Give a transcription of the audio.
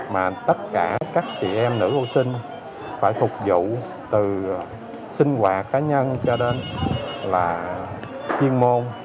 mà tất cả các chị em nữ vô sinh phải phục vụ từ sinh hoạt cá nhân cho đến là chuyên môn